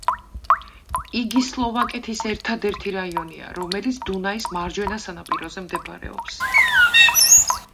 იგი სლოვაკეთის ერთადერთი რაიონია, რომელიც დუნაის მარჯვენა სანაპიროზე მდებარეობს.